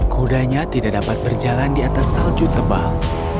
kudanya tidak dapat berjalan di atas salju tebal